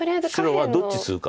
白はどっちツグか。